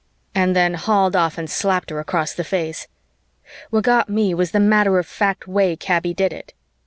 and then hauled off and slapped her across the face. What got me was the matter of fact way Kaby did it.